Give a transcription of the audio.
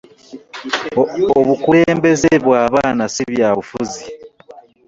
Obukulembeze bw'abaana si byabufuzi.